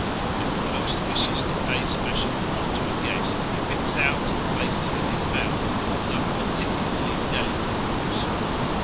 If the host wishes to pay special honour to a guest, he picks out and places in his mouth some particularly delicate morsel.